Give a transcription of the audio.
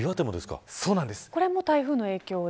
これも台風の影響で。